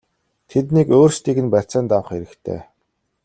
Тэднийг өөрсдийг нь барьцаанд авах хэрэгтэй!!!